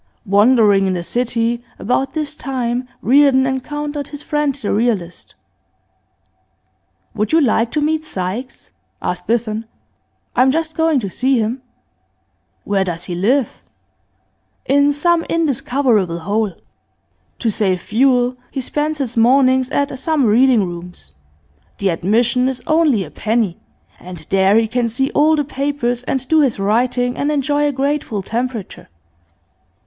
Wandering in the city, about this time, Reardon encountered his friend the realist. 'Would you like to meet Sykes?' asked Biffen. 'I am just going to see him.' 'Where does he live?' 'In some indiscoverable hole. To save fuel, he spends his mornings at some reading rooms; the admission is only a penny, and there he can see all the papers and do his writing and enjoy a grateful temperature.